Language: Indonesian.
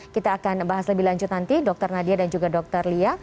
kita akan bahas lebih lanjut nanti dr nadia dan juga dr lia